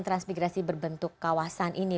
transmigrasi berbentuk kawasan ini